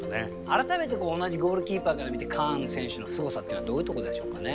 改めて同じゴールキーパーから見てカーン選手のすごさっていうのはどういうとこでしょうかね？